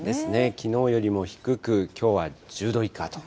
きのうよりも低く、きょうは１０度以下と。